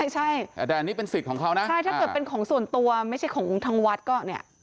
ใช่ถ้าเกิดเป็นของส่วนตัวไม่ใช่ของทางวัดก็เนี่ย